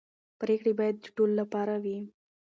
پرېکړې باید د ټولو لپاره وي